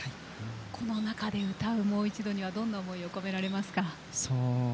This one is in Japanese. この中で歌う「もう一度」にはどんな思いを込められますか？